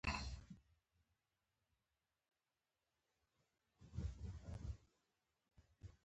د ګرینلنډ یخي هستو څېړنو ته مراجعه ده